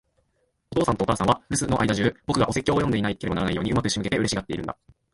お父さんとお母さんは、留守の間じゅう、僕がお説教を読んでいなければならないように上手く仕向けて、嬉しがっているんだ。